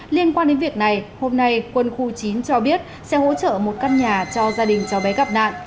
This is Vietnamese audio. liên quan đến việc này hôm nay quân khu chín cho biết sẽ hỗ trợ một căn nhà cho gia đình cháu bé gặp nạn